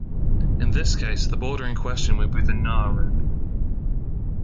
In this case the border in question would be the Nahr rubin.